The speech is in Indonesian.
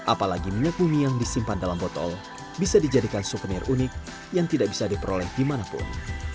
apalagi minyak bumi yang disimpan dalam botol bisa dijadikan souvenir unik yang tidak bisa diperoleh dimanapun